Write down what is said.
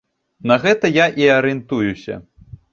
На гэта я і арыентуюся.